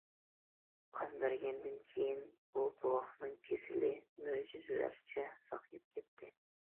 قان بەرگەندىن كېيىن، بۇ بوۋاقنىڭ كېسىلى مۆجىزىلەرچە ساقىيىپ كەتتى.